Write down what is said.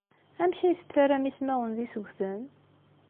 Amek ay tettarram ismawen d isegten?